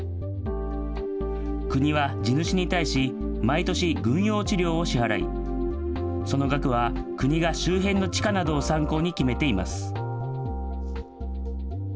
国は地主に対し、毎年、軍用地料を支払い、その額は国が周辺の地価などを参考に決めています。